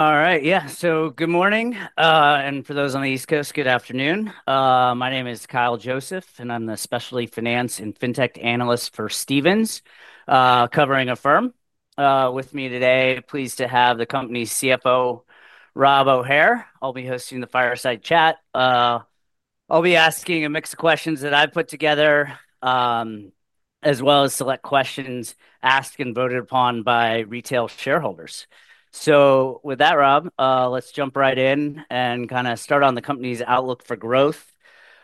All right. Yeah. Good morning, and for those on the East Coast, good afternoon. My name is Kyle Joseph and I'm the Specialty Finance and Fintech Analyst for Stephens, covering Affirm. With me today, pleased to have the company's Chief Financial Officer, Rob O'Hare. I'll be hosting the Fireside Chat. I'll be asking a mix of questions that I've put together as well as select questions asked and voted upon by retail shareholders. With that, Rob, let's jump right in and kind of start on the company's outlook for growth.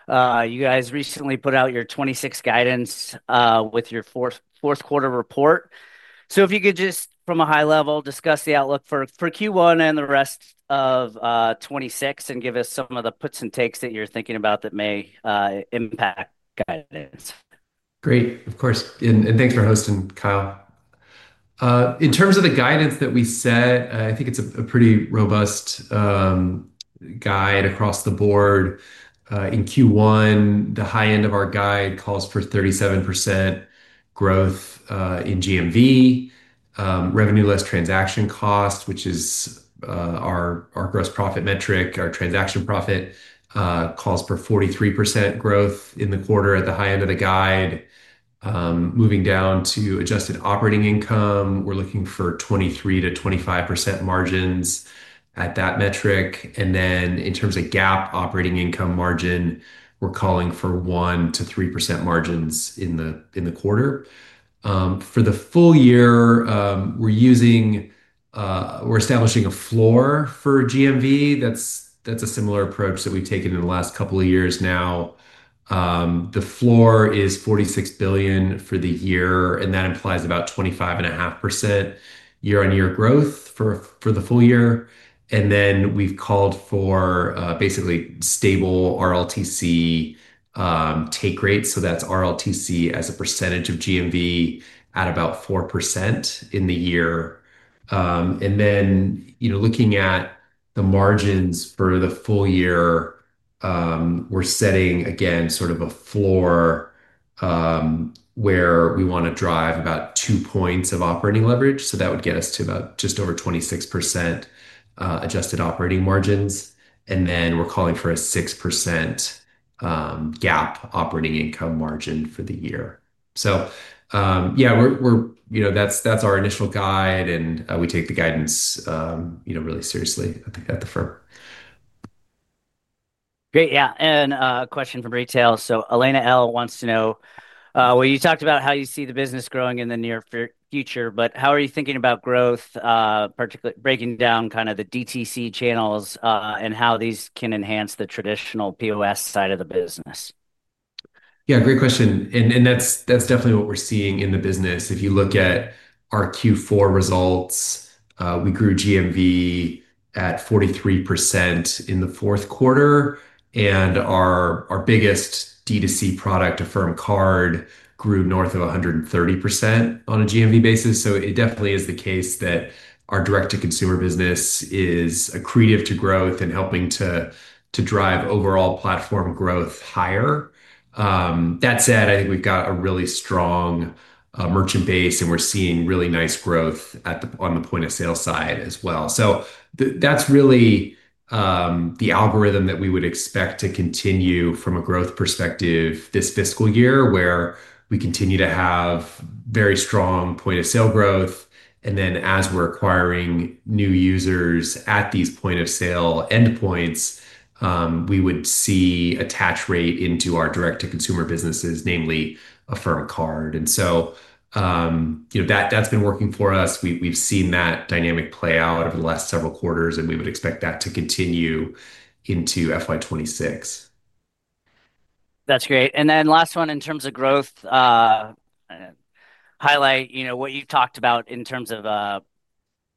You guys recently put out your 2026 guidance with your fourth quarter report. If you could just from a high level, discuss the outlook for Q1 and the rest of 2026 and give us some of the puts and takes that you're thinking about that may impact guidance. Great. Of course, and thanks for hosting, Kyle. In terms of the guidance that we set, I think it's a pretty robust guide across the board. In Q1, the high end of our guide calls for 37% growth in GMV, revenue less transaction cost, which is our gross profit metric. Our transaction profit calls for 43% growth in the quarter. At the high end of the guide, moving down to adjusted operating income, we're looking for 23%-25% margins at that metric. In terms of GAAP operating income margin, we're calling for 1%-3% margins in the quarter. For the full year, we're establishing a floor for GMV that's a similar approach that we've taken in the last couple of years. Now the floor is $46 billion for the year, and that implies about 25.5% year on year growth for the full year. We've called for basically stable RLTC take rate, so that's RLTC as a percentage of GMV at about 4% in the year. Looking at the margins for the full year, we're setting again, sort of a floor where we want to drive about 2 points of operating leverage. That would get us to just over 26% adjusted operating margins. We're calling for a 6% GAAP operating income margin for the year. That's our initial guide. We take the guidance really seriously at the firm. Great. Yeah. A question from retail. Elena L. wants to know, you talked about how you see the business growing in the near future, but how are you thinking about growth, particularly breaking down kind of the DTC channels and how these can enhance the traditional POS side of the business. Yeah, great question. That's definitely what we're seeing in the business. If you look at our Q4 results, we grew GMV at 43% in the fourth quarter and our biggest direct-to-consumer product, Affirm Card, grew north of 130% on a GMV basis. It definitely is the case that our direct-to-consumer business is accretive to growth and helping to drive overall platform growth higher. That said, I think we've got a really strong merchant base and we're seeing really nice growth on the point-of-sale side as well. That's really the algorithm that we would expect to continue from a growth perspective this fiscal year, where we continue to have very strong point-of-sale growth. As we're acquiring new users at these point-of-sale endpoints, we would see attach rate into our direct-to-consumer businesses, namely Affirm Card. That's been working for us. We've seen that dynamic play out over the last several quarters and we would expect that to continue into FY 2026. That's great. Last one, in terms of growth highlight, you know what you talked about in terms of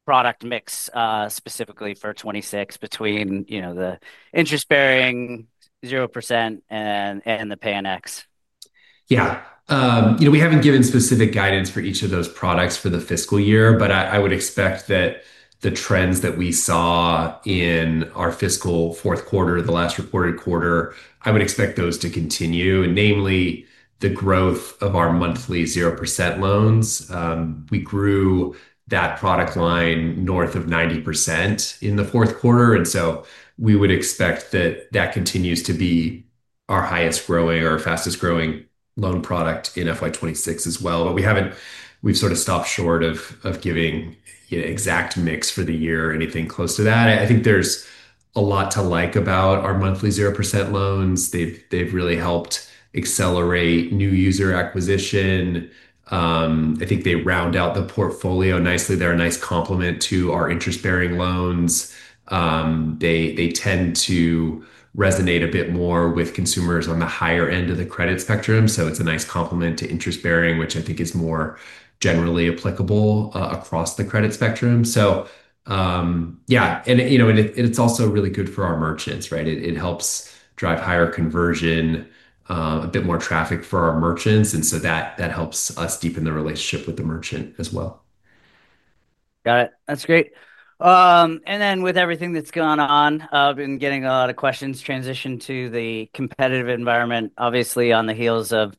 product mix specifically for 2026 between the interest bearing, 0%, and the Pay in X. Yeah. We haven't given specific guidance for each of those products for the fiscal year, but I would expect that the trends that we saw in our fiscal fourth quarter, the last reported quarter, I would expect those to continue, namely the growth of our monthly 0% loans. We grew that product line north of 90% in the fourth quarter, and we would expect that continues to be our highest growing or fastest growing loan product in FY 2026 as well. We have sort of stopped short of giving exact mix for the year or anything close to that. I think there's a lot to like about our monthly 0% loans. They've really helped accelerate new user acquisition. I think they round out the portfolio nicely. They're a nice complement to our interest bearing loans. They tend to resonate a bit more with consumers on the higher end of the credit spectrum. It's a nice complement to interest bearing, which I think is more generally applicable across the credit spectrum. It's also really good for our merchants. It helps drive higher conversion, a bit more traffic for our merchants, and that helps us deepen the relationship with the merchant as well. Got it. That's great. With everything that's gone on, I've been getting a lot of questions. Transition to the competitive environment, obviously on the heels of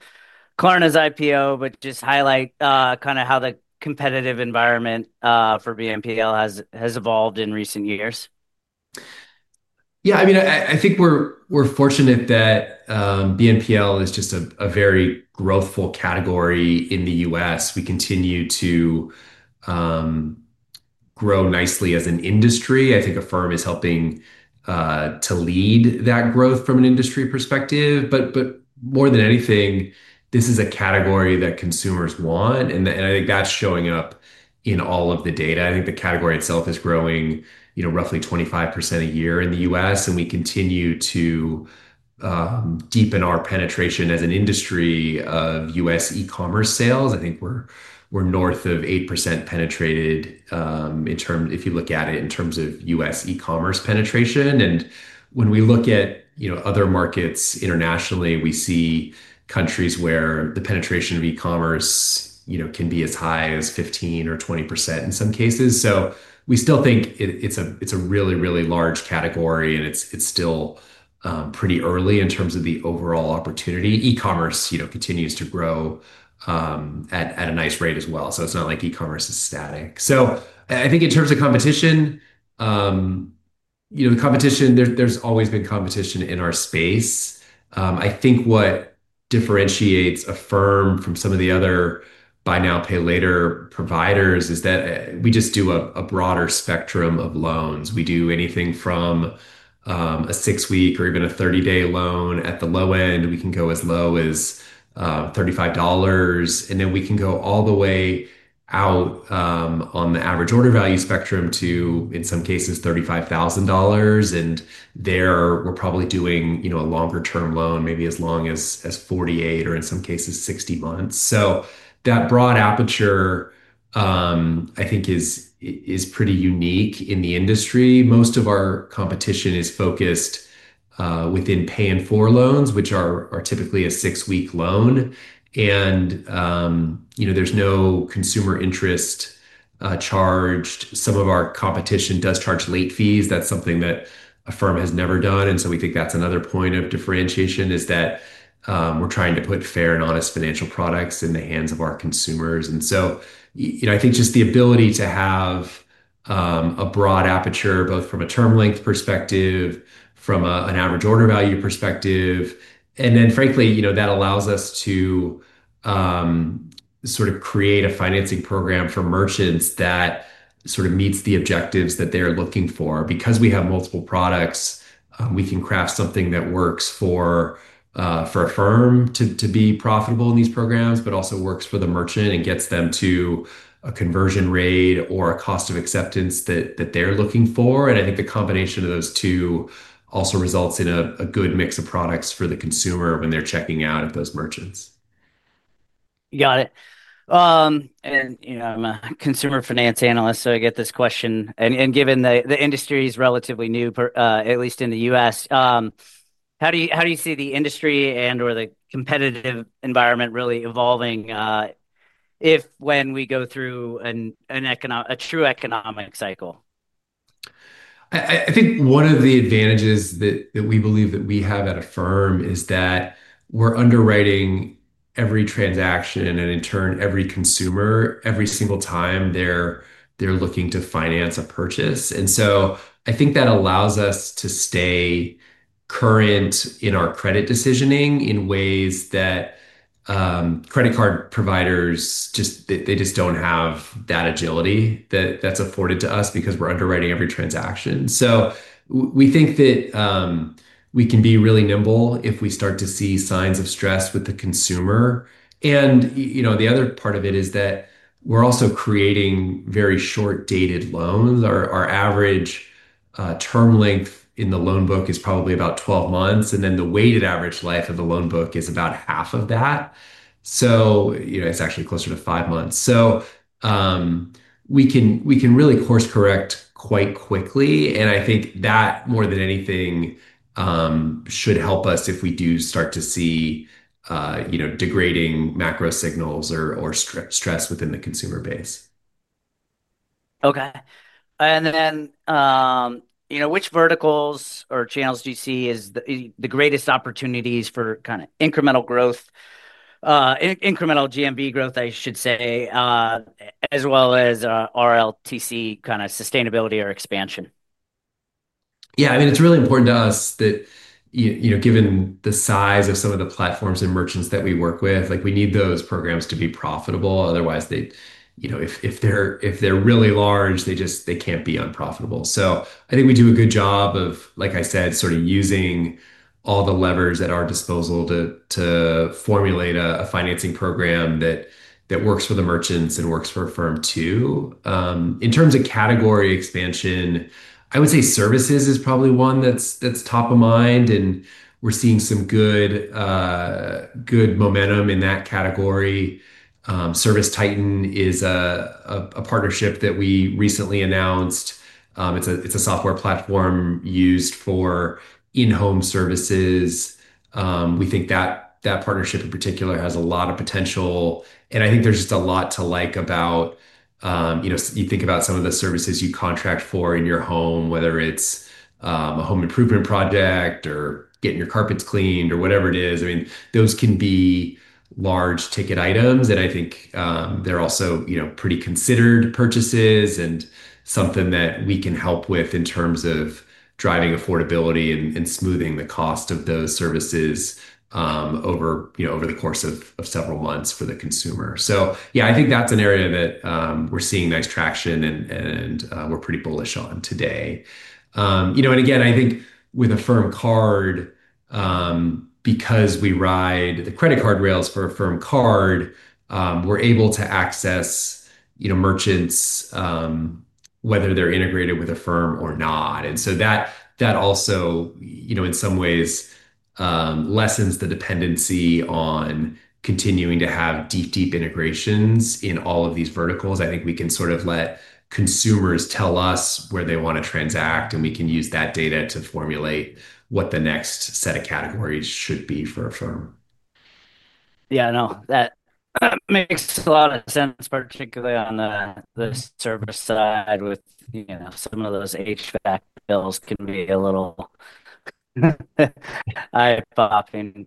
Klarna's IPO, but just highlight kind of how the competitive environment for BNPL has evolved in recent years. Yeah, I mean, I think we're fortunate that BNPL is just a very growthful category in the U.S. We continue to grow nicely as an industry. I think Affirm is helping to lead that growth from an industry perspective. More than anything, this is a category that consumers want and I think that's showing up in all of the data. I think the category itself is growing roughly 25% a year in the U.S. and we continue to deepen our penetration as an industry of U.S. e-commerce sales. I think we're north of 8% penetrated if you look at it in terms of U.S. e-commerce penetration. When we look at other markets internationally, we see countries where the penetration of e-commerce can be as high as 15% or 20% in some cases. We still think it's a really, really large category and it's still pretty early in terms of the overall opportunity. E-commerce continues to grow at a nice rate as well. It's not like e-commerce is static. I think in terms of competition, there's always been competition in our space. I think what differentiates Affirm from some of the other Buy Now, Pay Later providers is that we just do a broader spectrum of loans. We do anything from a six-week or even a 30-day loan at the low end. We can go as low as $35 and then we can go all the way out on the average order value spectrum to, in some cases, $35,000. There we're probably doing a longer-term loan, maybe as long as 48 or in some cases 60 months. That broad aperture I think is pretty unique in the industry. Most of our competition is focused within Pay in 4 loans, which are typically a six-week loan and there's no consumer interest charged. Some of our competition does charge late fees. That's something that Affirm has never done. We think that's another point of differentiation, that we're trying to put fair and honest financial products in the hands of our consumers. I think just the ability to have a broad aperture, both from a term length perspective, from an average order value perspective, and then frankly, that allows us to sort of create a financing program for merchants that meets the objectives that they're looking for. Because we have multiple products, we can craft something that works for Affirm to be profitable in these programs, but also works for the merchant and gets them to a conversion rate or a cost of acceptance that they're looking for. I think the combination of those two also results in a good mix of products for the consumer when they're checking out at those merchants. Got it. I'm a consumer finance analyst, so I get this question. Given the industry is relatively new, at least in the U.S., how do you see the industry or the competitive environment really evolving if we go through a true economic? I think one of the advantages that we believe that we have at Affirm is that we're underwriting every transaction and, in turn, every consumer, every single time they're looking to finance a purchase. I think that allows us to stay current in our credit decisioning in ways that credit card providers just don't have that agility that's afforded to us because we're underwriting every transaction. We think that we can be really nimble if we start to see signs of stress with the consumer. The other part of it is that we're also creating very short-dated loans. Our average term length in the loan book is probably about 12 months, and the weighted average life of the loan book is about half of that. It's actually closer to five months. We can really course correct quite quickly. I think that more than anything should help us if we do start to see degrading macro signals or stress within the consumer base. Okay. Which verticals or channels do you see as the greatest opportunities for incremental growth, incremental GMV growth, I should say, as well as RLTC kind of sustainability or expansion? Yeah, I mean, it's really important to us that, you know, given the size of some of the platforms and merchants that we work with, we need those programs to be profitable. Otherwise, if they're really large, they just, they can't be unprofitable. I think we do a good job of, like I said, sort of using all the levers at our disposal to formulate a financing program that works for the merchants and works for Affirm too. In terms of category expansion, I would say services is probably one that's top of mind and we're seeing some good momentum in that category. ServiceTitan is a partnership that we recently announced, it's a software platform used for in-home services. We think that partnership in particular has a lot of potential and I think there's just a lot to like about, you think about some of the services you contract for in your home, whether it's a home improvement project or getting your carpets cleaned or whatever it is. I mean, those can be large ticket items and I think they're also, you know, pretty considered purchases and something that we can help with in terms of driving affordability and smoothing the cost of those services over the course of several months for the consumer. I think that's an area that we're seeing nice traction and we're pretty bullish on today. You know, I think with Affirm Card, because we ride the credit card rails for Affirm Card, we're able to access merchants whether they're integrated with Affirm or not. That also in some ways lessens the dependency on continuing to have deep, deep integrations in all of these verticals. I think we can sort of let consumers tell us where they want to transact and we can use that data to formulate what the next set of categories should be for Affirm. Yeah, no, that makes a lot of sense, particularly on the service side with some of those HVAC bills can be a little eye popping.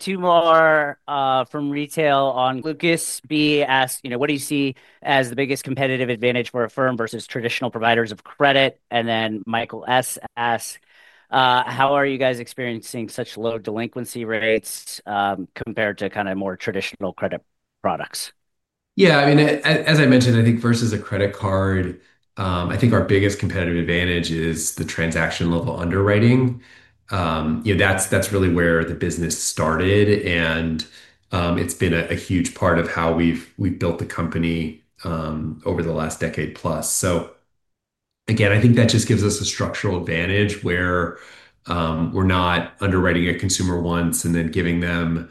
Two more from retail. Lucas B. asks, what do you see as the biggest competitive advantage for Affirm versus traditional providers of credit? Michael S. asks, how are you guys experiencing such low delinquency rates compared to more traditional credit products? Yeah, I mean, as I mentioned, I think versus a credit card, I think our biggest competitive advantage is the transaction-level underwriting. That's really where the business started, and it's been a huge part of how we've built the company over the last decade plus. I think that just gives us a structural advantage where we're not underwriting a consumer once and then giving them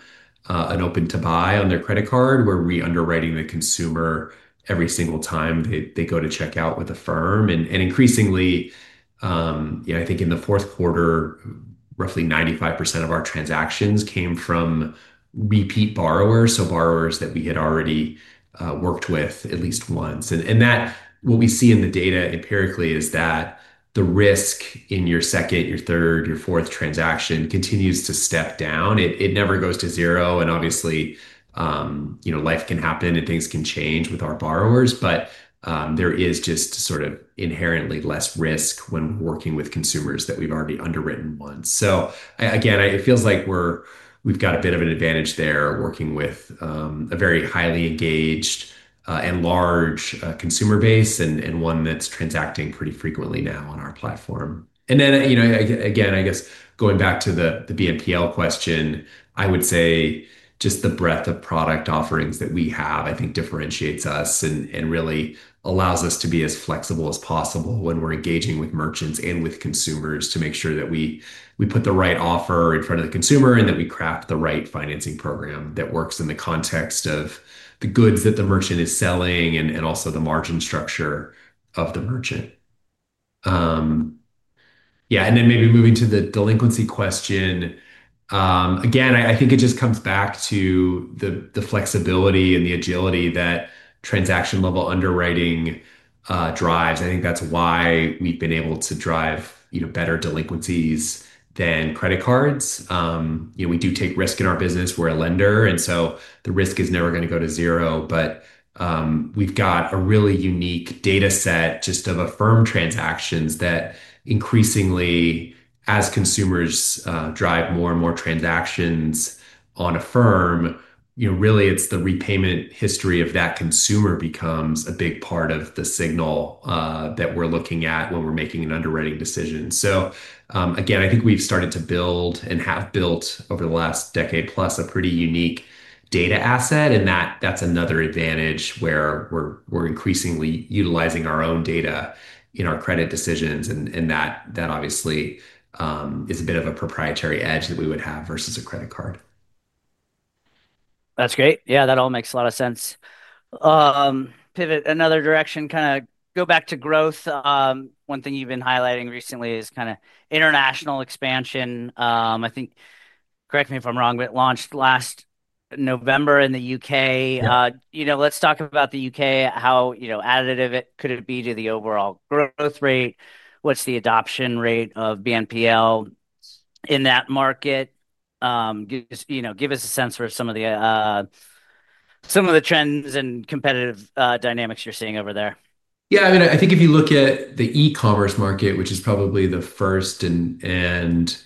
an open to buy on their credit card. We're re-underwriting the consumer every single time they go to checkout with Affirm. Increasingly, I think in the fourth quarter, roughly 95% of our transactions came from repeat borrowers, so borrowers that we had already worked with at least once. What we see in the data empirically is that the risk in your second, your third, your fourth transaction continues to step down. It never goes to zero, and obviously, you know, life can happen and things can change with our borrowers, but there is just sort of inherently less risk when working with consumers that we've already underwritten once. It feels like we've got a bit of an advantage there working with a very highly engaged and large consumer base and one that's transacting pretty frequently now on our platform. Going back to the BNPL question, I would say just the breadth of product offerings that we have I think differentiates us and really allows us to be as flexible as possible when we're engaging with merchants and with consumers to make sure that we put the right offer in front of the consumer and that we craft the right financing program that works in the context of the goods that the merchant is selling and also the margin structure of the merchant. Maybe moving to the delinquency question, I think it just comes back to the flexibility and the agility that transaction-level underwriting drives. I think that's why we've been able to drive better delinquencies than credit cards. We do take risk in our business. We're a lender, and so the risk is never going to go to zero. We've got a really unique data set just of Affirm transactions that increasingly, as consumers drive more and more transactions on Affirm, really it's the repayment history of that consumer that becomes a big part of the signal that we're looking at when we're making an underwriting decision. I think we've started to build and have built over the last decade plus a pretty unique data asset. That's another advantage where we're increasingly utilizing our own data in our credit decisions, and that obviously is a bit of a proprietary edge that we would have versus a credit card. That's great. Yeah, that all makes a lot of sense. Pivot another direction, kind of go back to growth. One thing you've been highlighting recently is kind of international expansion, I think, correct me if I'm wrong, but launched last November in the U.K. Let's talk about the U.K. How additive could it be to the overall growth rate? What's the adoption rate of BNPL in that market? You know, give us a sense for some of the trends and competitive dynamics you're seeing over there. Yeah, I mean, I think if you look at the e-commerce market, which is probably the first and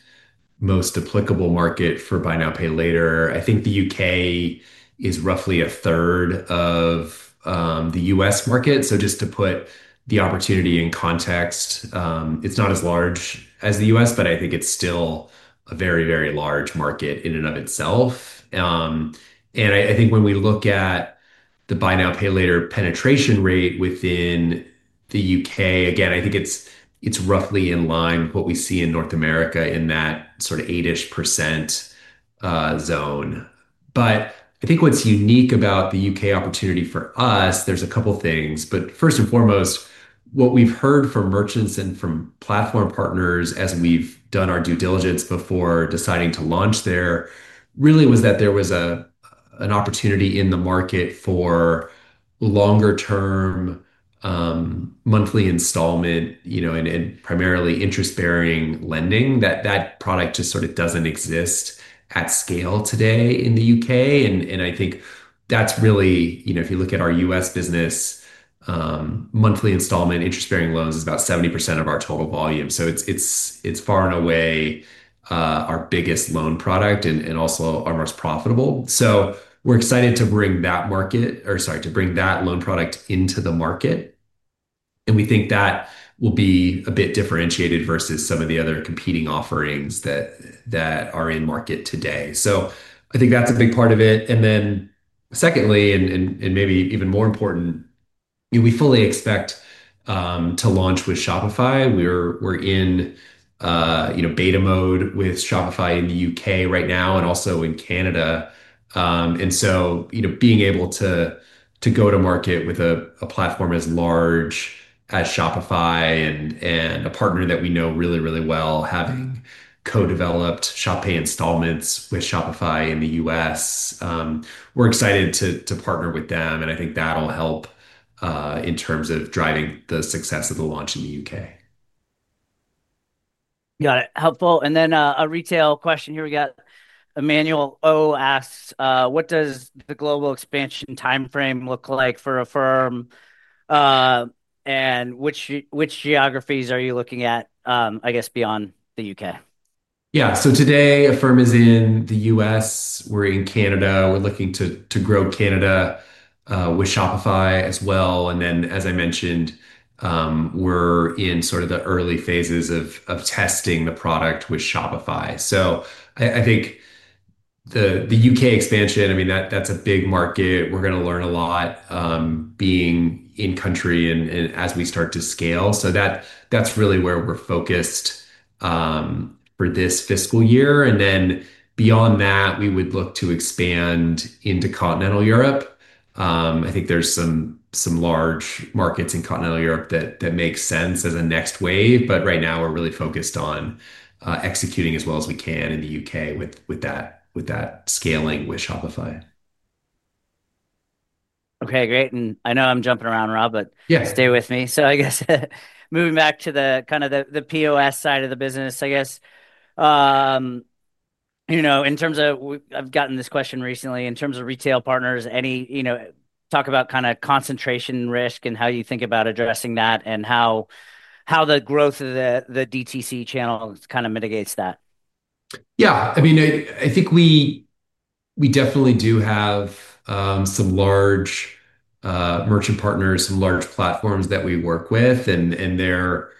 most applicable market for buy now, pay later, I think the U.K. is roughly a third of the U.S. market. Just to put the opportunity in context, it's not as large as the U.S., but I think it's still a very, very large market in and of itself. I think when we look at the buy now, pay later penetration rate within the U.K., again, I think it's roughly in line with what we see in North America in that sort of 8% zone. I think what's unique about the U.K. opportunity for us, there's a couple things, but first and foremost, what we've heard from merchants and from platform partners as we've done our due diligence before deciding to launch there really was that there was an opportunity in the market for longer term monthly installment, you know, and primarily interest bearing lending. That product just sort of doesn't exist at scale today in the U.K. I think that's really, you know, if you look at our U.S. business, monthly installment interest bearing loans is about 70% of our total volume. It's far and away our biggest loan product and also our most profitable. We're excited to bring that loan product into the market and we think that will be a bit differentiated versus some of the other competing offerings that are in market today. I think that's a big part of it. Secondly, and maybe even more important, we fully expect to launch with Shopify. We're in beta mode with Shopify in the U.K. right now and also in Canada. Being able to go to market with a platform as large as Shopify and a partner that we know really, really well, having co-developed Shop Pay Installments with Shopify in the U.S., we're excited to partner with them and I think that'll help in terms of driving the success of the launch in the U.K. Got it. Helpful. A retail question here. We got Emmanuel O. asks what does the global expansion time frame look like for Affirm and which geographies are you looking at? I guess beyond the U.K., yeah. Today Affirm is in the U.S. and we're in Canada. We're looking to grow Canada with Shopify as well. As I mentioned, we're in the early phases of testing the product with Shopify. I think the U.K. expansion is a big market. We're going to learn a lot being in country and as we start to scale. That's really where we're focused for this fiscal year. Beyond that, we would look to expand into continental Europe. I think there are some large markets in continental Europe that make sense as a next wave. Right now we're really focused on executing as well as we can in the U.K. with that scaling with Shopify. Okay, great. I know I'm jumping around, Rob, but yeah, stay with me. I guess moving back to the POS side of the business, in terms of, I've gotten this question recently in terms of retail partners. Any talk about concentration risk and how you think about addressing that and how the growth of the DTC channel kind of mitigates that. Yeah, I mean I think we definitely do have some large merchant partners, some large platforms that we work with, and they're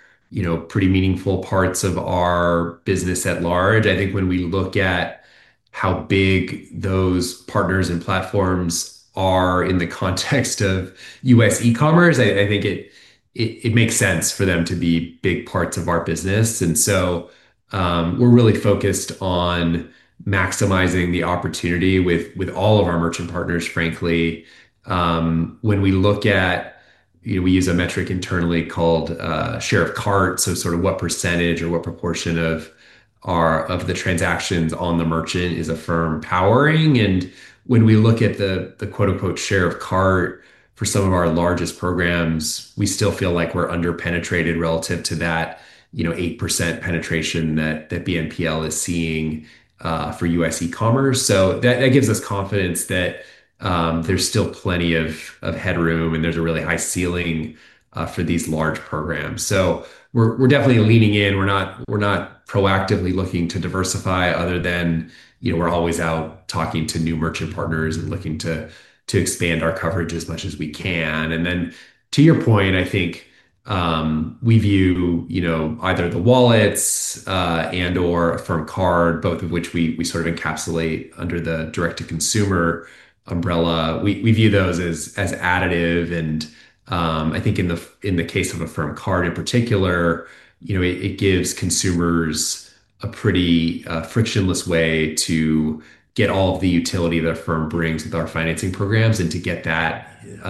pretty meaningful parts of our business at large. I think when we look at how big those partners and platforms are in the context of U.S. e-commerce, I think it makes sense for them to be big parts of our business. We're really focused on maximizing the opportunity with all of our merchant partners. Frankly, when we look at—we use a metric internally called share of cart, so sort of what percentage or what proportion of the transactions on the merchant is Affirm powering. When we look at the "share of cart" for some of our largest programs, we still feel like we're underpenetrated relative to that 8% penetration that BNPL is seeing for U.S. e-commerce. That gives us confidence that there's still plenty of headroom and there's a really high ceiling for these large programs. We're definitely leaning in. We're not proactively looking to diversify, other than we're always out talking to new merchant partners and looking to expand our coverage as much as we can. To your point, I think we view either the wallets and/or Affirm Card, both of which we sort of encapsulate under the direct-to-consumer umbrella, as additive. In the case of Affirm Card in particular, it gives consumers a pretty frictionless way to get all of the utility that Affirm brings with our financing programs and to get that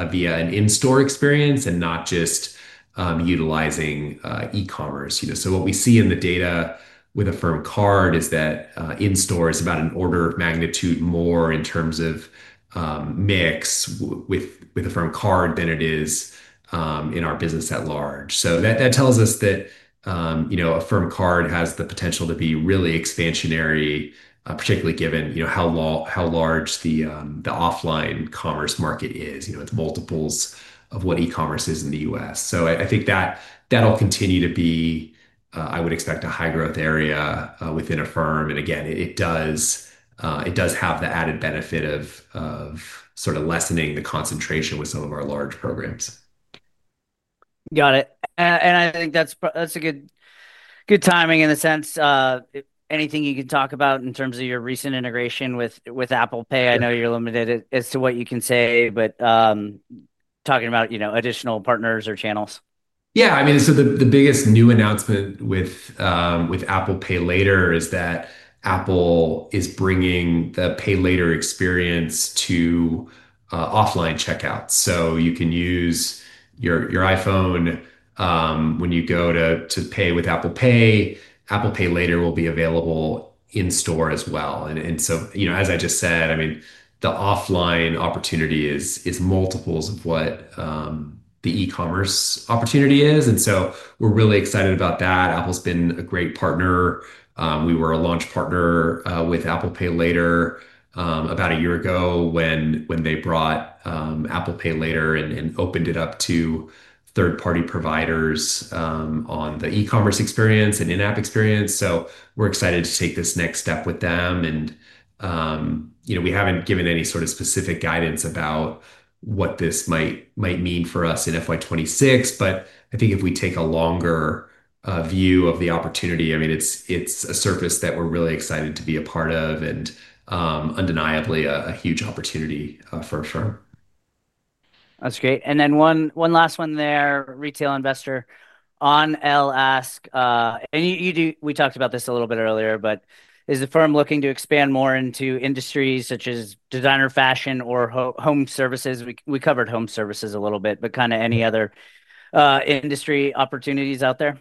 via an in-store experience and not just utilizing e-commerce. What we see in the data with Affirm Card is that in-store is about an order of magnitude more in terms of mix with Affirm Card than it is in our business at large. That tells us that Affirm Card has the potential to be really expansionary, particularly given how large the offline commerce market is. It's multiples of what e-commerce is in the U.S. I think that will continue to be, I would expect, a high growth area within Affirm. It does have the added benefit of lessening the concentration with some of our large programs. Got it. I think that's good timing in a sense. Anything you could talk about in terms of your recent integration with Apple Pay? I know you're limited as to what you can say, but talking about additional partners or channels. Yeah, I mean, the biggest new announcement with Apple Pay Later is that Apple is bringing the Pay Later experience to offline checkout, so you can use your iPhone when you go to pay with Apple Pay. Apple Pay Later will be available in store as well. As I just said, the offline opportunity is multiples of what the e-commerce opportunity is, and we're really excited about that. Apple's been a great partner. We were a launch partner with Apple Pay Later about a year ago when they brought Apple Pay Later and opened it up to third-party providers on the e-commerce experience and in-app experience. We're excited to take this next step with them. We haven't given any sort of specific guidance about what this might mean for us in FY 2026, but I think if we take a longer view of the opportunity, it's a surface that we're really excited to be a part of and undeniably a huge opportunity for Affirm. That's great. One last one, a retail investor [On] L. ask, and you do. We talked about this a little bit earlier, but is Affirm looking to expand more into industries such as designer fashion or home services? We covered home services a little bit, but any other industry opportunities out there?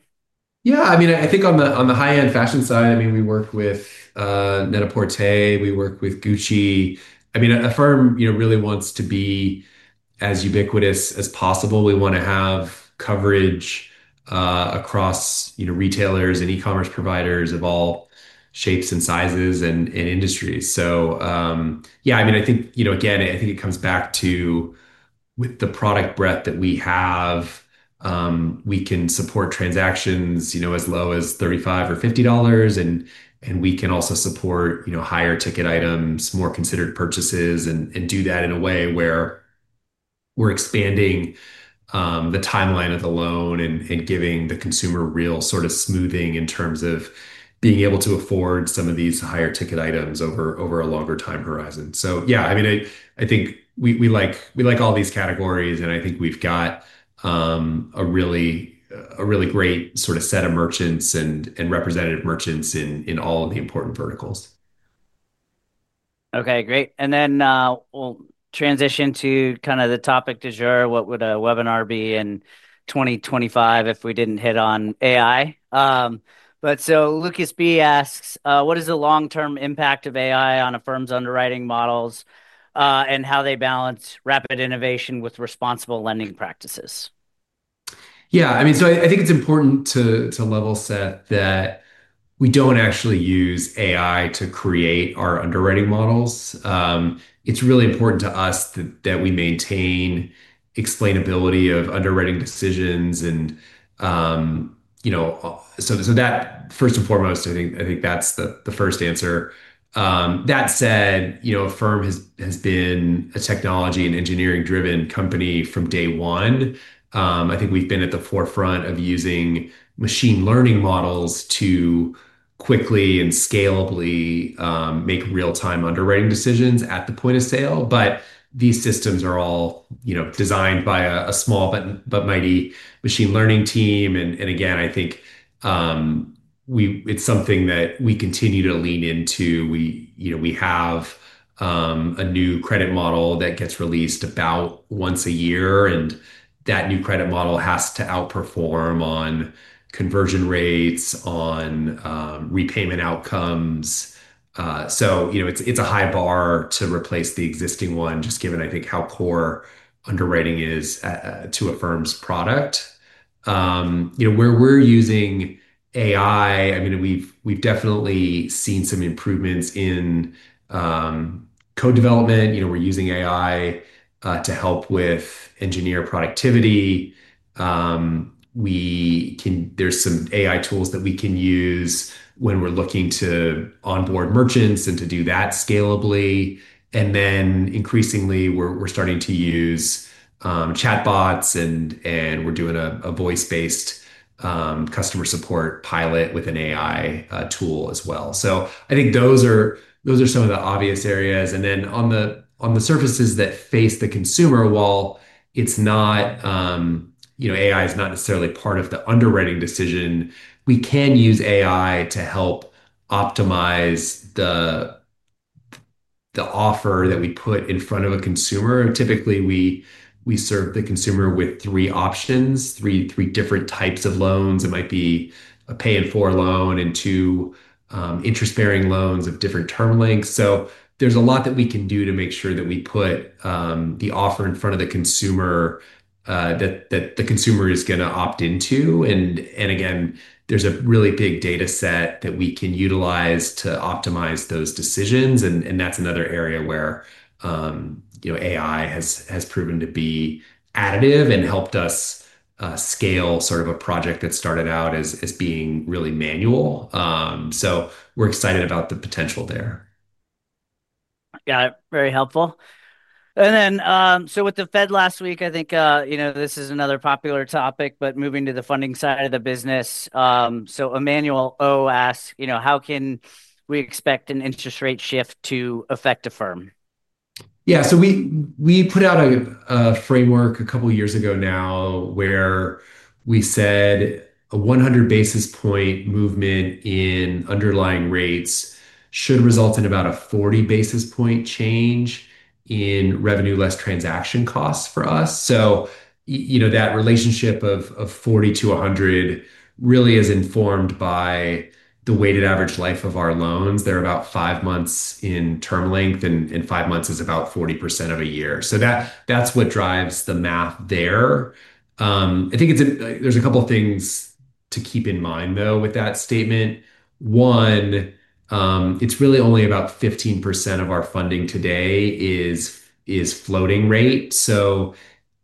Yeah, I mean I think on the high-end fashion side, I mean we work with NET-A-PORTER, we work with Gucci. I mean Affirm really wants to be as ubiquitous as possible. We want to have coverage across retailers and e-commerce providers of all shapes and sizes and industries. I think it comes back to, with the product breadth that we have, we can support transactions as low as $35 or $50, and we can also support higher ticket items, more considered purchases, and do that in a way where we're expanding the timeline of the loan and giving the consumer real sort of smoothing in terms of being able to afford some of these higher ticket items over a longer time horizon. I think we like all these categories, and I think we've got a really great sort of set of merchants and representative merchants in all of the important verticals. Okay, great. We'll transition to kind of the topic du jour. What would a webinar be in 2025 if we didn't hit on AI? Lucas B. asks, what is the long term impact of AI on Affirm's underwriting models and how they balance rapid innovation with responsible lending practices? Yeah, I mean, I think it's important to level set that we don't actually use AI to create our underwriting models. It's really important to us that we maintain explainability of underwriting decisions. That first and foremost, I think that's the first answer. That said, Affirm has been a technology and engineering driven company from day one. I think we've been at the forefront of using machine learning models to quickly and scalably make real-time underwriting decisions at the point of sale. These systems are all designed by a small but mighty machine learning team. I think it's something that we continue to lean into. We have a new credit model that gets released about once a year, and that new credit model has to outperform on conversion rates and on repayment outcomes. It's a high bar to replace the existing one, just given how core underwriting is to Affirm's product. Where we're using AI, we've definitely seen some improvements in code development. We're using AI to help with engineer productivity. There are some AI tools that we can use when we're looking to onboard merchants and to do that scalably. Increasingly, we're starting to use chatbots, and we're doing a voice-based customer support pilot with an AI tool as well. I think those are some of the obvious areas. On the surfaces that face the consumer, while AI is not necessarily part of the underwriting decision, we can use AI to help optimize the offer that we put in front of a consumer. Typically, we serve the consumer with three options, three different types of loans. It might be a Pay in 4 loan and two interest-bearing loans of different term lengths. There's a lot that we can do to make sure that we put the offer in front of the consumer that the consumer is going to opt into. There's a really big data set that we can utilize to optimize those decisions. That's another area where AI has proven to be additive and helped us scale a project that started out as being really manual. We're excited about the potential there. Got it. Very helpful. With the Fed last week, I think this is another popular topic. Moving to the funding side of the business, Emmanuel O. asks, how can we expect an interest rate shift to affect Affirm. Yeah. We put out a framework a couple years ago now where we said a 100 basis point movement in underlying rates should result in about a 40 basis point change in revenue, less transaction costs for us. That relationship of 40 to 100 really is informed by the weighted average life of our loans. They're about five months in term length, and five months is about 40% of a year. That's what drives the math there. I think there's a couple things to keep in mind though with that statement. One, it's really only about 15% of our funding today is floating rate.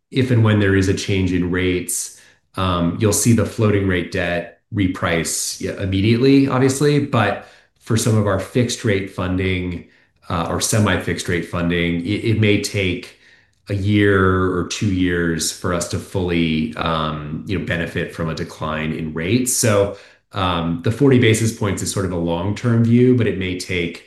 If and when there is a change in rates, you'll see the floating rate debt reprice immediately, obviously. For some of our fixed rate funding or semi fixed rate funding, it may take a year or two years for us to fully benefit from a decline in rates. The 40 basis points is sort of a long term view, but it may take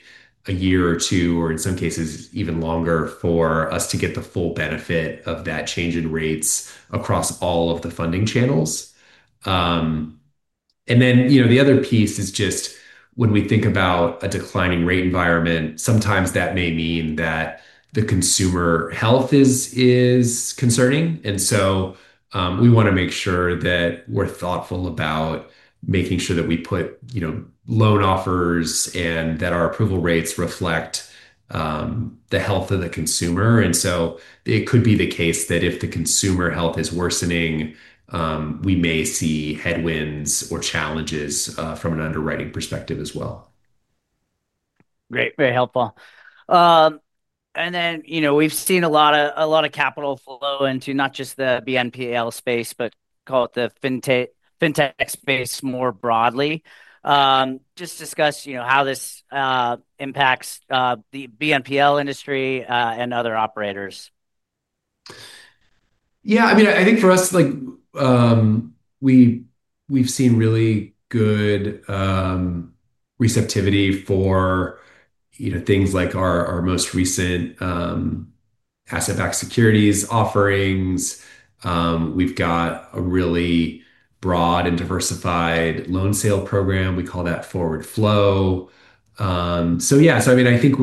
a year or two or in some cases even longer for us to get the full benefit of that change in rates across all of the funding channels. The other piece is just when we think about a declining rate environment, sometimes that may mean that the consumer health is concerning. We want to make sure that we're thoughtful about making sure that we put loan offers and that our approval rates reflect the health of the consumer. It could be the case that if the consumer health is worsening, we may see headwinds or challenges from an underwriting perspective as well. Great, very helpful. You know, we've seen a lot of capital flow into not just the BNPL space, but call it the fintech space more broadly. Just discuss how this impacts the BNPL industry and other operators. Yeah, I mean I think for us, we've seen really good receptivity for things like our most recent asset-backed securities offerings. We've got a really broad and diversified loan sale program, we call that forward flow. I think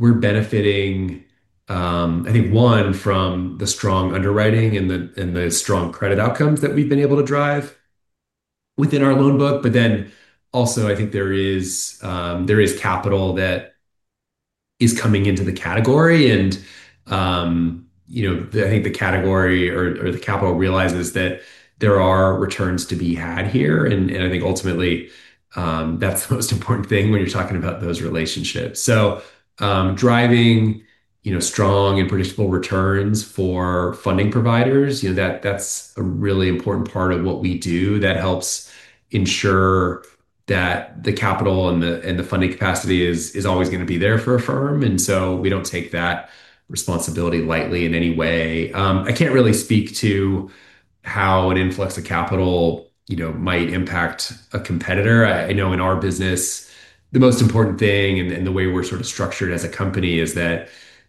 we're benefiting, one, from the strong underwriting and the strong credit outcomes that we've been able to drive within our loan book. There is capital that is coming into the category and the capital realizes that there are returns to be had here. Ultimately, that's the most important thing when you're talking about those relationships, driving strong and predictable returns for funding providers. That's a really important part of what we do that helps ensure that the capital and the funding capacity is always going to be there for Affirm. We don't take that responsibility lightly in any way. I can't really speak to how an influx of capital might impact a competitor. I know in our business, the most important thing and the way we're structured as a company is that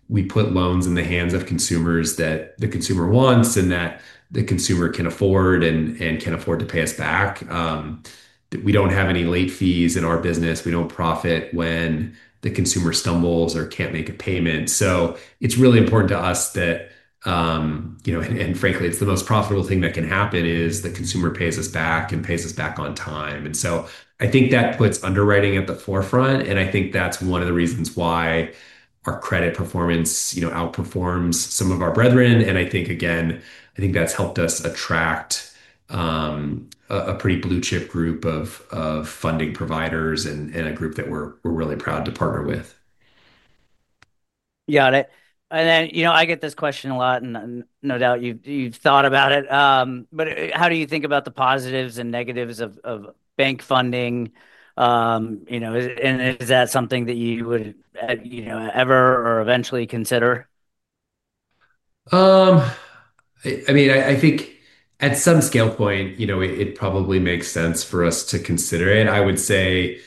we put loans in the hands of consumers that the consumer wants and that the consumer can afford and can afford to pay us back. We don't have any late fees in our business. We don't profit when the consumer stumbles or can't make a payment. It's really important to us, and frankly, it's the most profitable thing that can happen, that the consumer pays us back and pays us back on time. I think that puts underwriting at the forefront. I think that's one of the reasons why our credit performance outperforms some of our brethren. I think that's helped us attract a pretty blue chip group of funding providers and a group that we're really proud to partner with. Got it. I get this question a lot and no doubt you've thought about it, but how do you think about the positives and negatives of bank funding? Is that something that you would ever or eventually consider? I mean, I think at some scale point, it probably makes sense for us to consider it. I would say,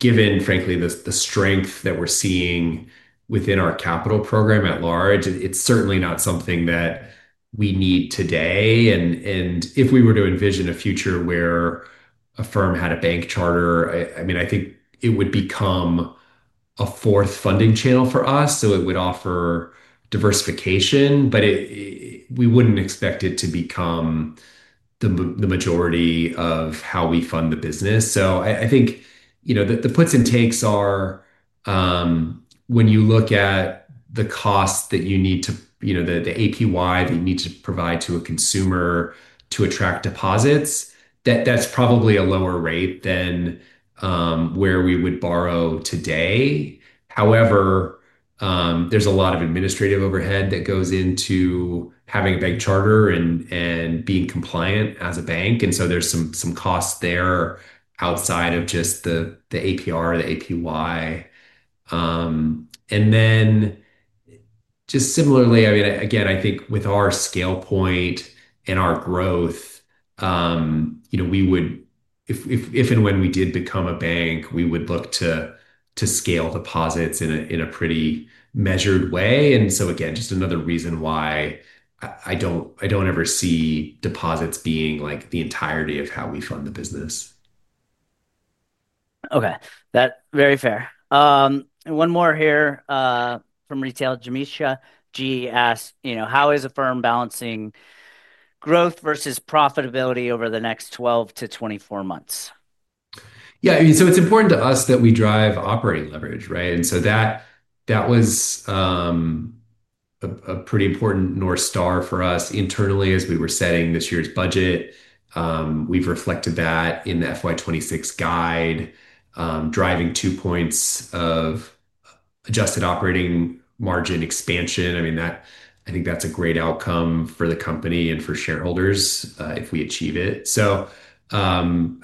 given frankly the strength that we're seeing within our capital program at large, it's certainly not something that we need today. If we were to envision a future where Affirm had a bank charter, I think it would become a fourth funding channel for us. It would offer diversification, but we wouldn't expect it to become the majority of how we fund the business. I think the puts and takes are when you look at the cost that you need to, the APY that you need to provide to a consumer to attract deposits, that's probably a lower rate than where we would borrow today. However, there's a lot of administrative overhead that goes into having a bank charter and being compliant as a bank. There's some costs there outside of just the APR, the APY, and then just similarly, I mean, again, I think with our scale point and our growth, if and when we did become a bank, we would look to scale deposits in a pretty measured way. Again, just another reason why I don't ever see deposits being like the entirety of how we fund the business. Okay, that. Very fair. One more here from retail. Jamisha G. asked, you know, how is Affirm balancing growth versus profitability over the next 12 to 24 months? Yeah, I mean, it's important to us that we drive operating leverage. That was a pretty important North Star for us internally as we were setting this year's budget. We've reflected that in the FY 2026 guide, driving 2 points of adjusted operating margin expansion. I think that's a great outcome for the company and for shareholders if we achieve it. I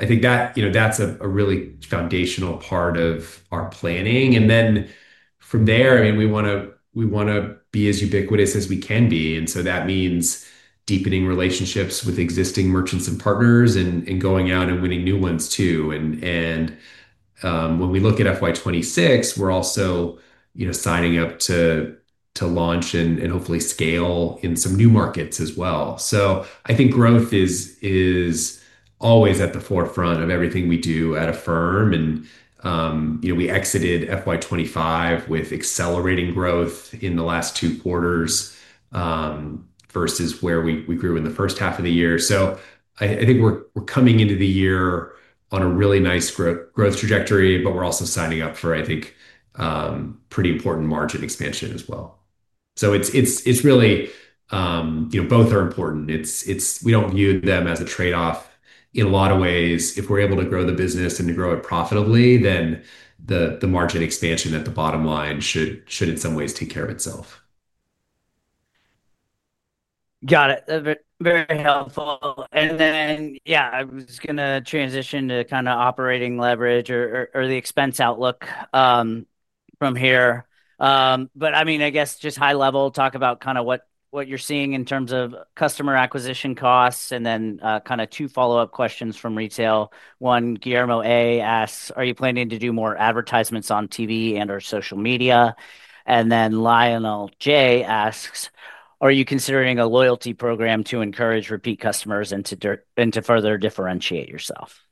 think that's a really foundational part of our planning. From there, we want to be as ubiquitous as we can be. That means deepening relationships with existing merchants and partners and going out and winning new ones too. When we look at FY 2026, we're also signing up to launch and hopefully scale in some new markets as well. I think growth is always at the forefront of everything we do at Affirm. We exited FY 2025 with accelerating growth in the last two quarters versus where we grew in the first half of the year. I think we're coming into the year on a really nice growth trajectory. We're also signing up for, I think, pretty important margin expansion as well. It's really both are important. We don't view them as a trade-off in a lot of ways. If we're able to grow the business and to grow it profitably, then the margin expansion at the bottom line should, in some ways, take care of itself. Got it. Very helpful. I was going to transition to kind of operating leverage or the expense outlook from here, but I mean, I guess just high level talk about kind of what you're seeing in terms of customer acquisition costs and then kind of two follow up questions from retail. One, Guillermo A. asks, are you planning to do more advertisements on TV and, or social media? Lionel J. asks, are you considering a loyalty program to encourage repeat customers and to further differentiate yourself?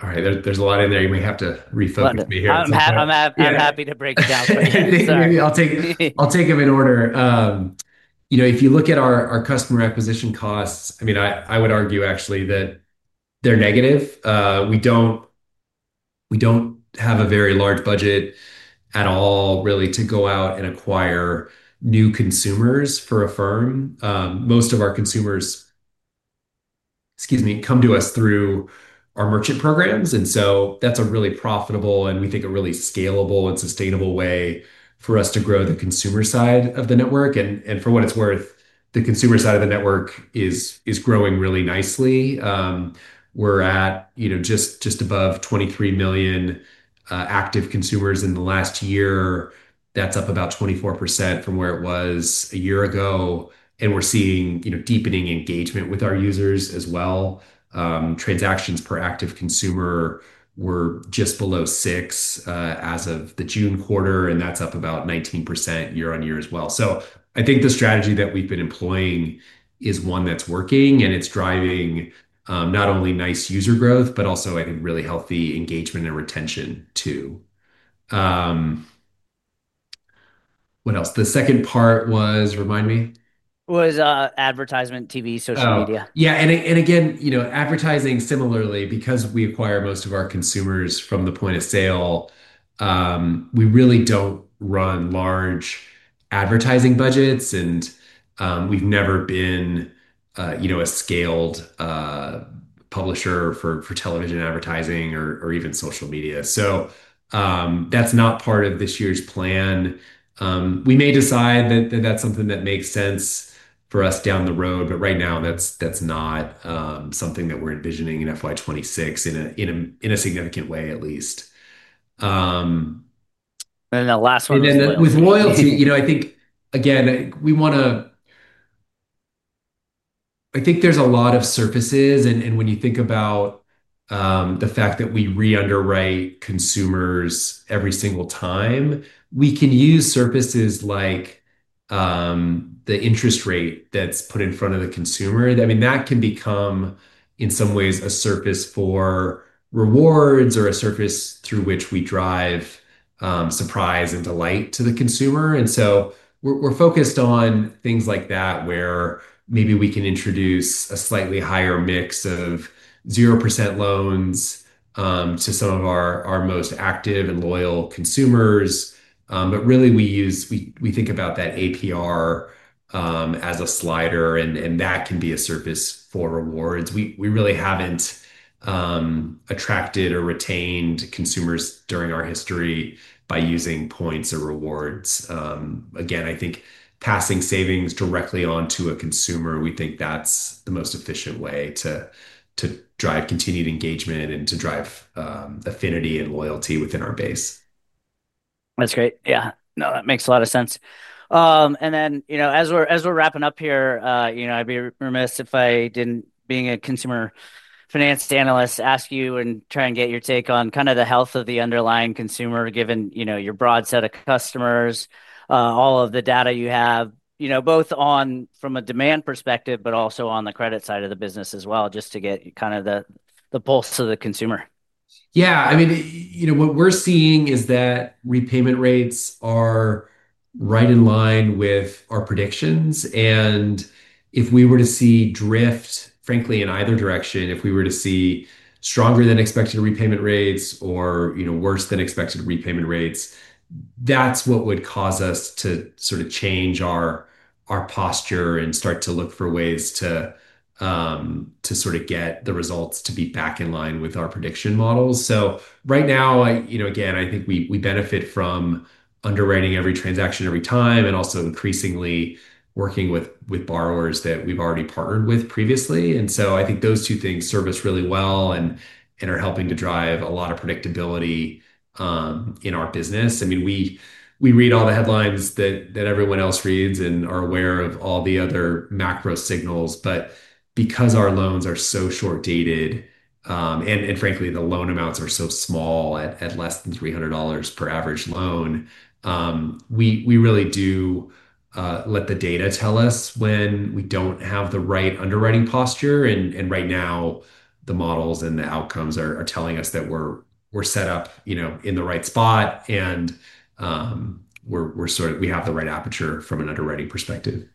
All right, there's a lot in there. You may have to refund it. I'm happy to break it down. I'll take them in order. If you look at our customer acquisition costs, I would argue actually that they're negative. We don't have a very large budget at all really to go out and acquire new consumers for Affirm. Most of our consumers, excuse me, come to us through our merchant programs. That's a really profitable and we think a really scalable and sustainable way for us to grow the consumer side of the network. For what it's worth, the consumer side of the network is growing really nicely. We're at just above 23 million active consumers in the last year. That's up about 24% from where it was a year ago. We're seeing deepening engagement with our users as well. Transactions per active consumer were just below 6 as of the June quarter, and that's up about 19% year on year as well. I think the strategy that we've been employing is one that's working and it's driving not only nice user growth, but also, I think, really healthy engagement and retention too. What else, the second part was, remind. Me, it was advertisement, TV, social media. Yeah. Advertising, similarly, because we acquire most of our consumers from the point of sale, we really don't run large advertising budgets. We've never been a scaled publisher for television advertising or even social media. That's not part of this year's plan. We may decide that that's something that makes sense for us down the road, but right now that's not something that we're envisioning in FY 2026 in a significant way at least. The last one. With loyalty, you know, I think again, we want to, I think there's a lot of surfaces. When you think about the fact that we re-underwrite consumers every single time, we can use surfaces like the interest rate that's put in front of the consumer. That can become in some ways a surface for rewards or a surface through which we drive surprise and delight to the consumer. We're focused on things like that where maybe we can introduce a slightly higher mix of 0% loans to some of our most active and loyal consumers. We think about that apron as a slider and that can be a surface for rewards. We really haven't attracted or retained consumers during our history by using points or rewards. Passing savings directly on to a consumer, we think that's the most efficient way to drive continued engagement and to drive affinity and loyalty within our base. That's great. Yeah, that makes a lot of sense. As we're wrapping up here, I'd be remiss if I didn't, being a consumer finance analyst, ask you and try and get your take on the health of the underlying consumer given your broad set of customers, all of the data you have, both from a demand perspective, but also on the credit side of the business as well, just to get the pulse to the consumer. Yeah, I mean what we're seeing is that repayment rates are right in line with our predictions. If we were to see drift, frankly, in either direction, if we were to see stronger than expected repayment rates or worse than expected repayment rates, that's what would cause us to sort of change our posture and start to look for ways to get the results to be back in line with our prediction models. Right now, again, I think we benefit from underwriting every transaction every time and also increasingly working with borrowers that we've already partnered with previously. I think those two things serve us really well and are helping to drive a lot of predictability in our business. I mean, we read all the headlines that everyone else reads and are aware of all the other macro signals. Because our loans are so short dated and, frankly, the loan amounts are so small at less than $300 per average loan, we really do let the data tell us when we don't have the right underwriting posture. Right now the models and the outcomes are telling us that we're set up in the right spot and we have the right aperture from an underwriting perspective.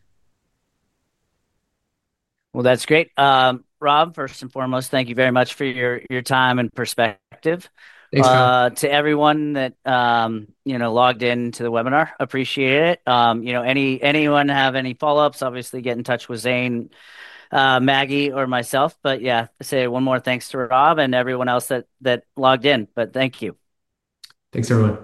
That's great, Rob. First and foremost, thank you very much for your time and perspective. To everyone that logged in to the webinar, appreciate it. Anyone have any follow ups, obviously get in touch with Zane, Maggie, or myself. Say one more thanks to Rob and everyone else that logged in. Thank you. Thanks everyone.